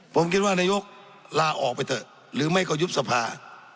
ผมคิดว่านายกลาออกไปเถอะหรือไม่ก็ยุบสภา